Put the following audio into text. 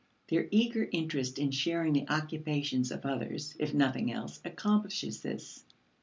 Their eager interest in sharing the occupations of others, if nothing else, accomplishes this.